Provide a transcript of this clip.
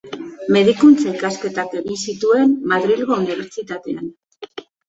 Medikuntza-ikasketak egin zituen, Madrilgo Unibertsitatean.